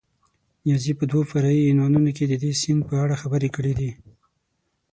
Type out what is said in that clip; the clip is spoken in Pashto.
نیازي په دوو فرعي عنوانونو کې د دې سیند په اړه خبرې کړې دي.